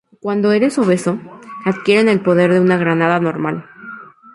Cuándo eres obeso, adquieren el poder de una granada normal.